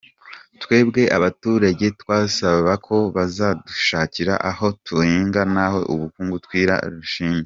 Twebwe abaturage twasaba ko bazadushakira ahantu duhinga naho ubundi kutwimura turabyishimiye.